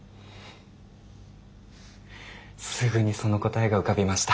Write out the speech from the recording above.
すぐにその答えが浮かびました。